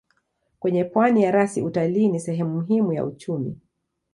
Kwenye pwani ya rasi utalii ni sehemu muhimu ya uchumi.